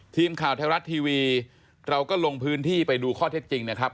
ทีมข่าวไทยรัฐทีวีเราก็ลงพื้นที่ไปดูข้อเท็จจริงนะครับ